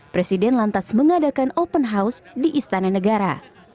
presiden lantas mengadakan open house di istana negara